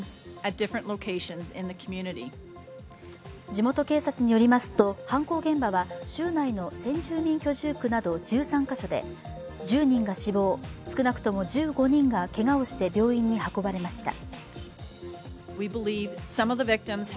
地元警察によりますと犯行現場は州内の先住民居住区など１３カ所で１０人が死亡、少なくとも１５人がけがをして病院に運ばれました。